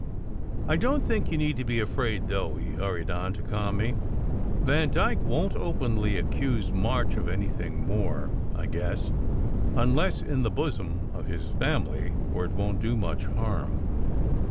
"I don t think you need be afraid, though," he hurried on, to calm me. "Vandyke won t openly accuse March of anything more, I guess, unless in the bosom of his family where it won t do much harm.